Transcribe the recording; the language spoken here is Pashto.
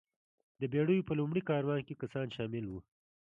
د بېړیو په لومړي کاروان کې کسان شامل وو.